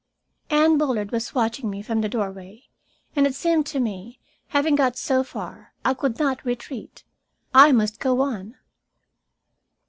Anne Bullard was watching from the doorway, and it seemed to me, having got so far, I could not retreat. I must go on.